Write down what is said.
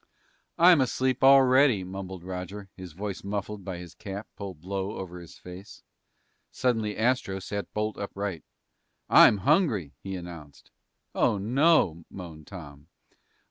"I'm asleep already," mumbled Roger, his voice muffled by his cap pulled low over his face. Suddenly Astro sat bolt upright. "I'm hungry!" he announced. "Oh, no!" moaned Tom.